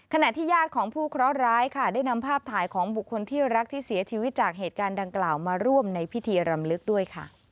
ขณะที่ญาติของผู้เคราะห์ร้ายค่ะได้นำภาพถ่ายของบุคคลที่รักที่เสียชีวิตจากเหตุการณ์ดังกล่าวมาร่วมในพิธีรำลึกด้วยค่ะ